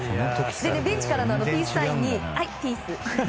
ベンチからのピースサインにピース。